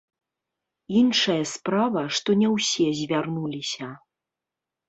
Іншая справа, што не ўсе звярнуліся.